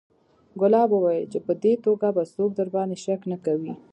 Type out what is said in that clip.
ګلاب وويل چې په دې توګه به څوک درباندې شک نه کوي.